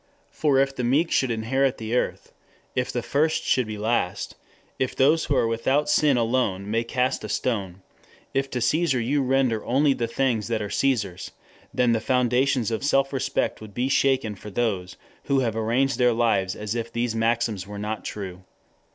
For if the meek should indeed inherit the earth, if the first should be last, if those who are without sin alone may cast a stone, if to Caesar you render only the things that are Caesar's, then the foundations of self respect would be shaken for those who have arranged their lives as if these maxims were not true.